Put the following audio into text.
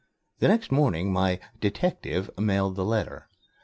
The next morning, my "detective" mailed the letter.